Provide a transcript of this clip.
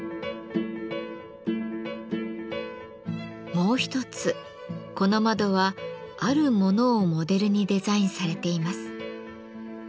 もう一つこの窓はあるものをモデルにデザインされています。